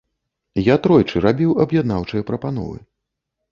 Я тройчы рабіў аб'яднаўчыя прапановы.